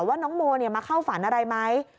ว่าน้องโมมาเข้าฝันอะไรไหม